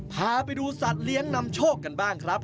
พาไปดูสัตว์เลี้ยงนำโชคกันบ้างครับ